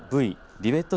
リベット